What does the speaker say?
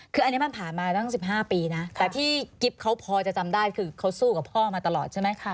คืออันนี้มันผ่านมาตั้ง๑๕ปีนะแต่ที่กิ๊บเขาพอจะจำได้คือเขาสู้กับพ่อมาตลอดใช่ไหมคะ